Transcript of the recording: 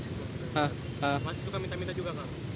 masih suka minta minta juga kak